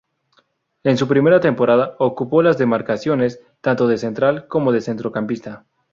En su primera temporada ocupó las demarcaciones tanto de central como de centrocampista.